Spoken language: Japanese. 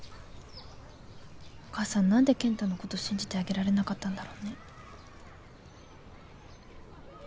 お母さん何で健太のことを信じてあげられなかったんだろうね。